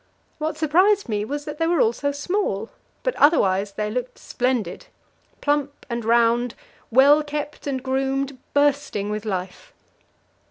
What surprised me was that they were all so small; but otherwise they looked splendid. Plump and round, well kept and groomed, bursting with life.